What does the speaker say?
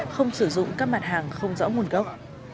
không sử dụng các mặt hàng không rõ nguồn gốc